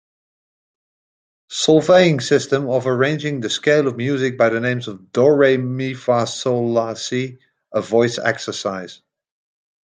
Solfaing system of arranging the scale of music by the names do, re, mi, fa, sol, la, si a voice exercise